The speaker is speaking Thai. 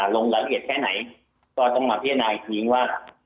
ลงรายละเอียดแค่ไหนก็ต้องมาพิจารณาอีกทีว่า